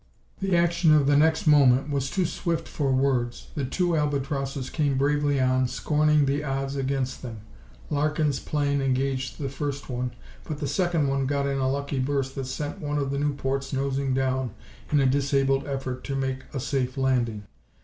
The action of the next moment was too swift for words. The two Albatrosses came bravely on, scorning the odds against them. Larkin's plane engaged the first one, but the second one got in a lucky burst that sent one of the Nieuports nosing down in a disabled effort to make a safe landing.